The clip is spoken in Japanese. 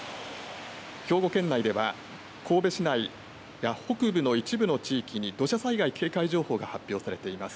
兵庫県内では神戸市内が北部の一部の地域に、土砂災害警戒情報が発表されています。